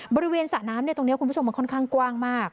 บริเวณสระน้ำตรงนี้คุณผู้ชมมันค่อนข้างกว้างมาก